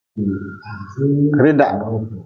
Rida.